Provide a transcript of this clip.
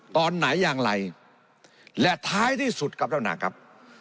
ตอนไหนอย่างไรและท้ายที่สุดครับท่านประธานครับ